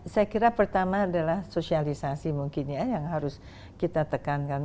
saya kira pertama adalah sosialisasi mungkin ya yang harus kita tekankan